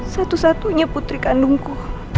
satu satunya putri kandungku